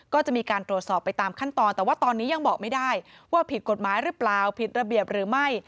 ก็จะมีการตรวจสอบไปตามขั้นตอนแต่ว่าตอนนี้ยังบอกไม่ได้ว่าผิดกฎหมายหรือเปล่าผิดระเบียบหรือไม่